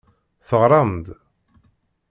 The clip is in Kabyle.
Teɣram-d.